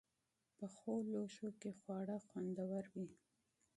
پخو لوښو کې خواړه خوندور وي